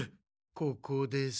ここです。